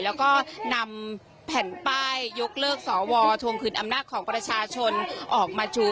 แล้วก็นำแผ่นป้ายยกเลิกสวทวงคืนอำนาจของประชาชนออกมาชู